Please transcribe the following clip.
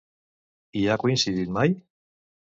Hi ha coincidit mai?